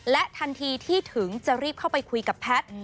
และทันทีที่ถึงจะรีบเข้าไปคุยกับแพทย์